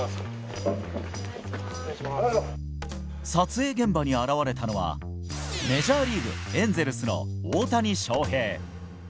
撮影現場に現れたのはメジャーリーグエンゼルスの大谷翔平。